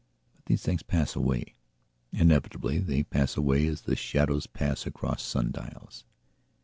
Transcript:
But these things pass away; inevitably they pass away as the shadows pass across sundials.